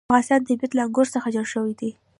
د افغانستان طبیعت له انګور څخه جوړ شوی دی.